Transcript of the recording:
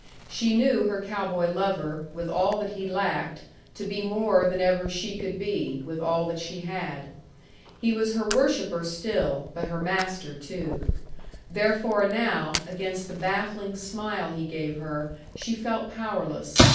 She knew her cow boy lover, with all that he lacked, to be more than ever she could be, with all that she had. He was her worshipper still, but her master, too. Therefore now, against the baffling smile he gave her, she felt powerless.